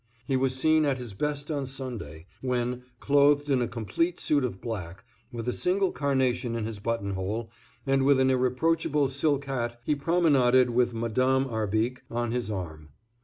He was seen at his best on Sunday, when, clothed in a complete suit of black, with a single carnation in his buttonhole, and with an irreproachable silk hat, he promenaded with Madame Arbique on his arm.